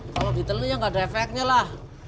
kalau ditelan ya enggak ada efeknya lah